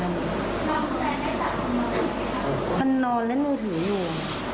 คันนอนเล่นมือถืออยู่